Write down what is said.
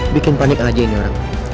bikin panik aja ini orang